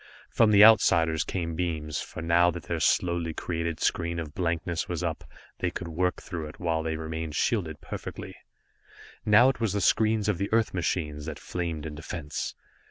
From the outsiders came beams, for now that their slowly created screen of blankness was up, they could work through it, while they remained shielded perfectly. Now it was the screens of the Earth machines that flamed in defense.